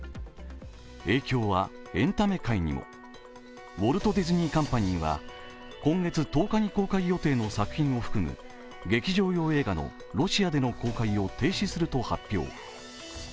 影響はエンタメ界にもウォルト・ディズニー・カンパニーは今月１０日に公開予定の作品含む劇場用映画のロシアでの公開を停止すると発表。